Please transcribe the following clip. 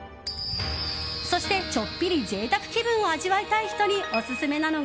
そして、ちょっぴり贅沢気分を味わいたい人にオススメなのが